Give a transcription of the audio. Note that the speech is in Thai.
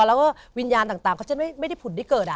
แล้วก็วิญญาณต่างเขาจะไม่ได้ผุ่นได้เกิด